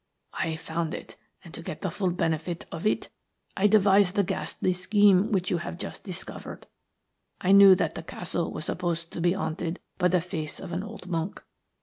I found it, and to get the full benefit of it I devised the ghastly scheme which you have just discovered. I knew that the castle was supposed to be haunted by the face of an old monk.